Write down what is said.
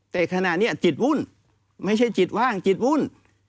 แต่ขณะนี้จิตวุ่นไม่ใช่จิตว่างจิตวุ่น